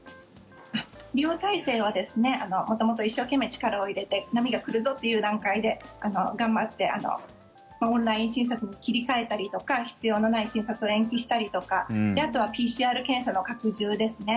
医療体制は元々、一生懸命力を入れて波が来るぞという段階で頑張ってオンライン診察に切り替えたりとか必要のない診察を延期したりとかあとはＰＣＲ検査の拡充ですね。